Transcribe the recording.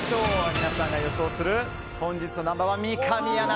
皆さんが予想する本日のナンバー１、三上アナ